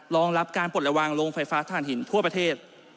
รองรับการปลดระวังโรงไฟฟ้าฐานหินทั่วประเทศ